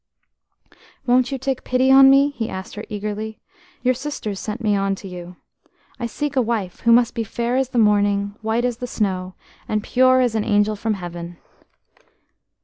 "Won't you take pity on me?" he asked her eagerly. "Your sisters sent me on to you. I seek a wife, who must be fair as the morning, white as the snow, and pure as an angel from Heaven."